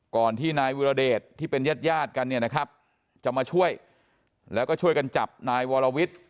ก่อนที่นายวิรเดชที่เป็นญาติญาติกันเนี่ยนะครับจะมาช่วยแล้วก็ช่วยกันจับนายวรวิทย์